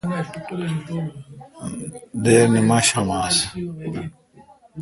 دیر نیمشام آس۔